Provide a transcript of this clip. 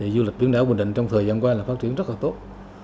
du lịch biển đảo bình định trong thời gian qua là phát triển rất là tốt